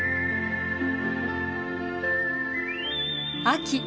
秋。